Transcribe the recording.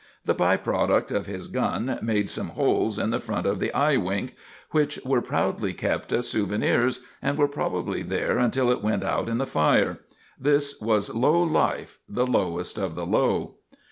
The by product of his gun made some holes in the front of the Eye Wink, which were proudly kept as souvenirs, and were probably there until it went out in the fire. This was low life, the lowest of the low.